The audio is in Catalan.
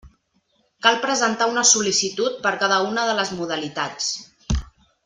Cal presentar una sol·licitud per cada una de les modalitats.